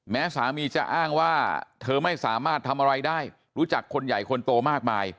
สามีจะอ้างว่าเธอไม่สามารถทำอะไรได้รู้จักคนใหญ่คนโตมากมาย